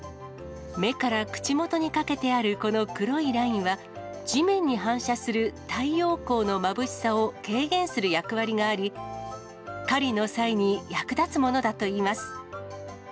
目から口元にかけてあるこの黒いラインは、地面に反射する太陽光のまぶしさを軽減する役割があり、狩りの際に役立つものだといいます。